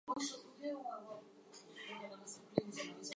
They are permitted in some towns and cities, however.